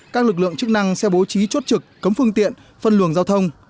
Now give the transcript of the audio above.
các lực lượng chức năng sẽ bố trí chốt trực cấm phương tiện phân luồng giao thông